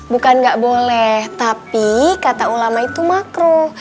bukan gak boleh tapi kata ulama itu makruh